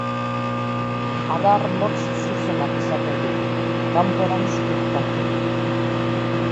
Adar motz zuzenak izaten ditu, kanporantz irtenak.